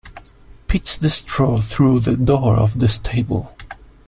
Pitch the straw through the door of the stable.